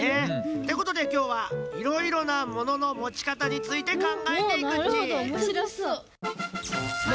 ってことできょうはいろいろなものの持ち方についてかんがえていくっち。